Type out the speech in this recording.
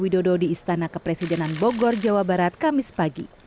widodo di istana kepresidenan bogor jawa barat kamis pagi